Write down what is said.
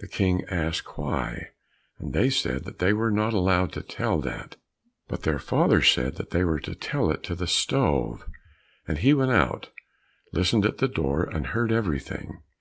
The King asked why, and they said that they were not allowed to tell that, but their father said that they were to tell it to the stove. And he went out, listened at the door, and heard everything.